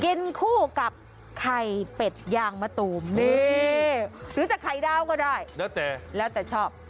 กินคู่กับไข่เป็ดยางมะตูมนี่หรือจะไข่ดาวก็ได้แล้วแต่แล้วแต่ชอบ